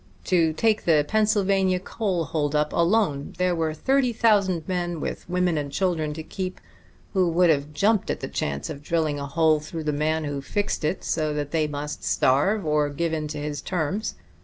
To take the Pennsylvania coal hold up alone, there were thirty thousand men, with women and children to keep, who would have jumped at the chance of drilling a hole through the man who fixed it so that they must starve or give in to his terms.